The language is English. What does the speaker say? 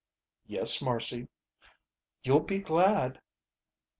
"Yes, Marcy." "You'll be glad."